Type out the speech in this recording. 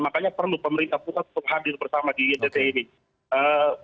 makanya perlu pemerintah pusat untuk hadir bersama di ntt ini